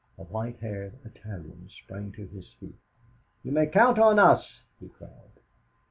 A white haired Italian sprang to his feet: 'You may count on us,' he cried.